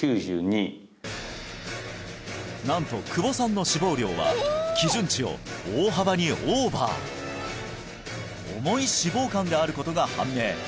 なんと久保さんの脂肪量は基準値を大幅にオーバー重い脂肪肝であることが判明